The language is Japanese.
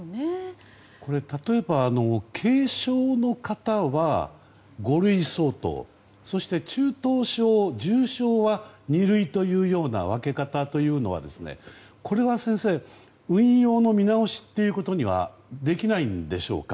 例えば、軽症の方は五類相当、中等症・重症は二類という分け方というのはこれは先生、運用の見直しはできないんでしょうか？